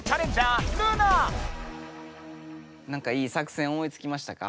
なんかいい作戦思いつきましたか？